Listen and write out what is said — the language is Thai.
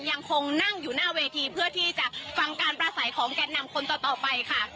ยังคงนั่งอยู่หน้าเวทีเพื่อที่จะฟังการประสัยของแก่นนำคนต่อไปค่ะ